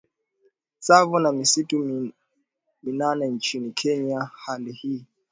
Tsavo na misitu minene nchini Kenya Hali hii